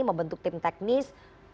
membentuk tim teknis